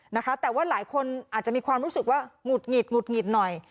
นะคะแต่ว่าหลายคนอาจจะมีความรู้สึกว่าหงุดหงิดหงุดหงิดหน่อย